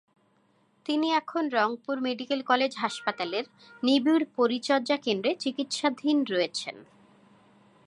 তিনি এখন Rangpur medical college হাসপাতালের নিবিড় পরিচর্যা কেন্দ্রে চিকিৎসাধীন রয়েছেন।